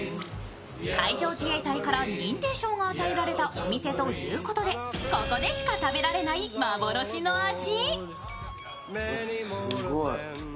海上自衛隊から認定証が与えられたお店ということでここでしか食べられない幻の味。